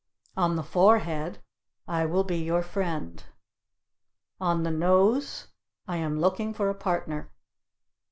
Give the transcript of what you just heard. On the forehead I will be your friend. On the nose I am looking for a partner.